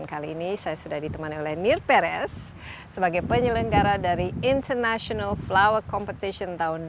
kali ini saya sudah ditemani oleh nir perez sebagai penyelenggara dari international flower competition tahun dua ribu dua puluh